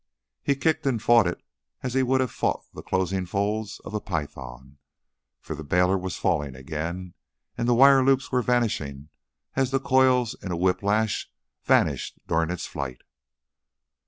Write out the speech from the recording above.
He kicked and fought it as he would have fought the closing folds of a python, for the bailer was falling again and the wire loops were vanishing as the coils in a whiplash vanish during its flight.